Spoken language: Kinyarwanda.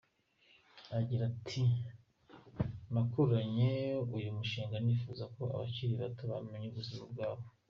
Agira ati “Nakuranye uyu mushinga nifuza ko abakiri bato bamenya ubuzima bwabo.